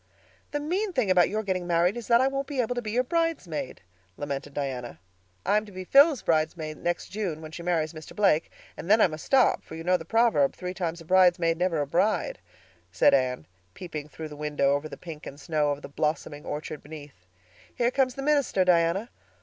"The mean thing about your getting married is that I won't be able to be your bridesmaid," lamented Diana. "I'm to be Phil's bridesmaid next June, when she marries Mr. Blake, and then I must stop, for you know the proverb 'three times a bridesmaid, never a bride,'" said Anne, peeping through the window over the pink and snow of the blossoming orchard beneath. "Here comes the minister, Diana."